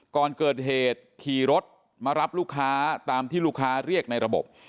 ก่อนเกิดเหตุขี่รถมารับลูกค้าตามที่ลูกค้าเรียกในระบบ